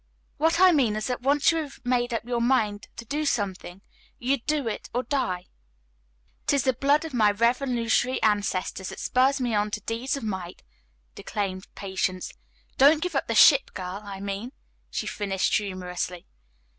What I mean is that once you had made up your mind to do something, you'd do it or die." "'Tis the blood of my Revolutionary ancestors that spurs me on to deeds of might," declaimed Patience. "Don't give up the ship girl, I mean," she finished humorously.